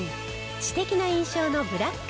知的な印象のブラック。